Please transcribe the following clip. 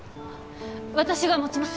私が持ちます！